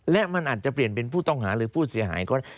และมันอาจจะเปลี่ยนเป็นผู้ต้องหาหรือผู้เสียหายก็ได้